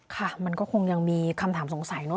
ค่ะมันก็คงยังมีคำถามสงสัยเนอ